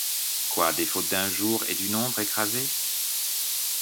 Quoi, des fautes d’un jour et d’une ombre, écrasées